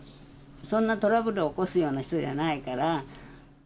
そんなトラブルを起こすような人じゃないから。